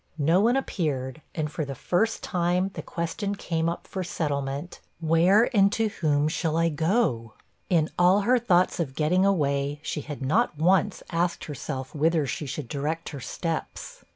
No one appeared, and, for the first time, the question came up for settlement, 'Where, and to whom, shall I go?' In all her thoughts of getting away, she had not once asked herself whither she should direct her steps.